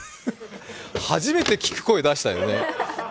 初めて聞く声出したよね。